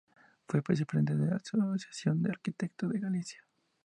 Fue vicepresidente de la Asociación de Arquitectos de Galicia.